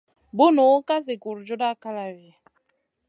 Bunu ka zi gurjuda kalavi.